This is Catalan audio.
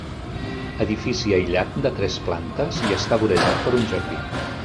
Edifici aïllat de tres plantes i està vorejat per un jardí.